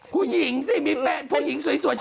ผู้หญิงสิมีแฟนผู้หญิงสวย